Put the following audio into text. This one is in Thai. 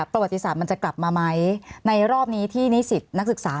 ประวัติศาสตร์มันจะกลับมาไหมในรอบนี้ที่นิสิตนักศึกษา